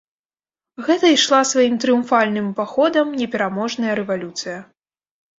Гэта ішла сваім трыумфальным паходам непераможная рэвалюцыя.